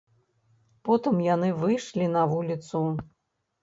Потым яны выйшлі на вуліцу.